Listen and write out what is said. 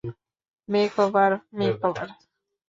Makeover, makeover.